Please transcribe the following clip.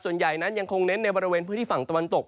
ส่วนใหญ่นั้นยังคงเน้นในบริเวณพื้นที่ฝั่งตะวันตก